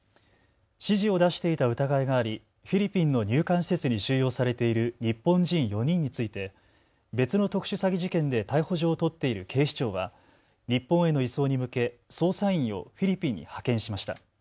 指示を出していた疑いがありフィリピンの入管施設に収容されている日本人４人について別の特殊詐欺事件で逮捕状を取っている警視庁は日本への移送に向け、捜査員をフィリピンに派遣しました。